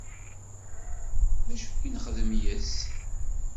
D acu i nxeddem yes-s?